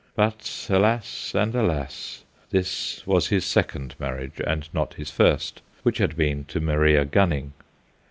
But, alas and alas ! this was his second marriage and not his first, which had been to Maria Gunning.